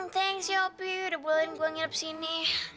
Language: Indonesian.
thanks ya opi udah bulan gue ngilap sini